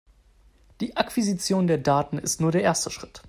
Die Akquisition der Daten ist nur der erste Schritt.